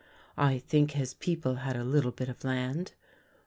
I think his people had a little bit of land.